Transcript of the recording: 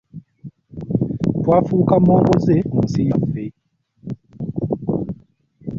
Twafuuka momboze mu nsi yaffe.